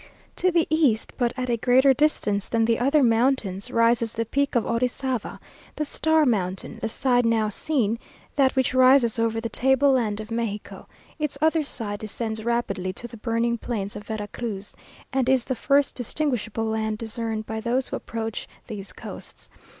To the east, but at a greater distance than the other mountains, rises the Peak of Orizava, the Star Mountain; the side now seen, that which rises over the table land of Mexico; its other side descends rapidly to the burning plains of Vera Cruz, and is the first distinguishable land discerned by those who approach these coasts.